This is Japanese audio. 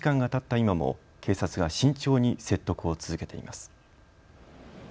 今も警察が慎重に説得を続けています。